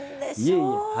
いえいえ。